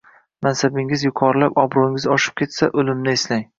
mansabingiz yuqorilab, obro‘yingiz oshib ketsa, o‘limni eslang.